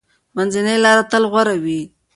منځنۍ لار تل غوره وي.